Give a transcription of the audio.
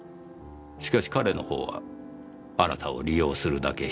しかし彼のほうはあなたを利用するだけして捨てた。